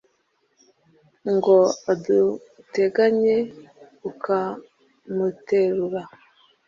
ngo aduteganye, ukamuterura